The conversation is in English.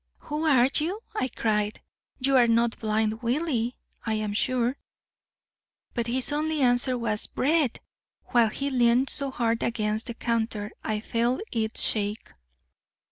"'Who are you? I cried. 'You are not Blind Willy, I'm sure.' "But his only answer was 'Bread!' while he leaned so hard against the counter I felt it shake.